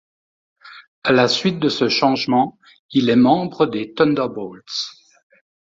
À la suite de ce changement, il est membre des Thunderbolts.